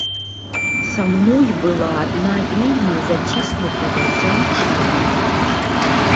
Са мной была адна вельмі заціснутая дзяўчына.